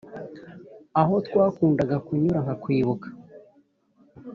aho twakundaga kunyura nkakwibuka